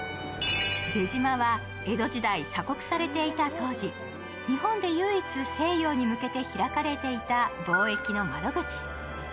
出島は江戸時代、鎖国されていた当時、日本で唯一西洋に向けて開かれていた貿易の窓口。